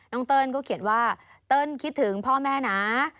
เติ้ลก็เขียนว่าเติ้ลคิดถึงพ่อแม่นะ